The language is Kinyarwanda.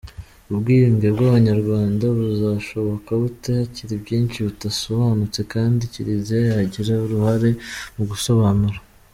Ubwiyunge bw’Abanyarwanda buzashoboka bute hakiri byinshi bidasobanutse kandi Kiliziya yagira uruhare mu gusobanura?